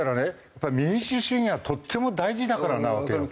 やっぱり民主主義はとっても大事だからなわけよ。